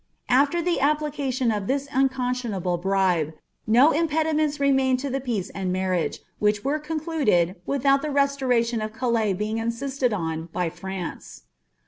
After the piplimlion of this unconscionable bribe, no impediment remained to i).c peace and marriage, which wei'e concluded, without the restoration ■ i^ CaLiis being insisied on by France.